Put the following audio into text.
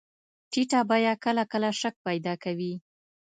ټیټه بیه کله کله شک پیدا کوي.